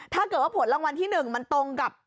ถ้าเกิดว่าผลรางวัลที่๑มันตรงกับ